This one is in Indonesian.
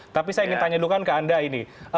tapi saya ingin tanya dulu kan ke anda ini